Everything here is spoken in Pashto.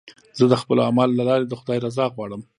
زه د خپلو اعمالو له لارې د خدای رضا غواړم.